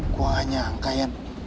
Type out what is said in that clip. gue gak nyangka ian